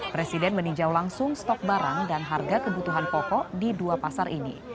presiden meninjau langsung stok barang dan harga kebutuhan pokok di dua pasar ini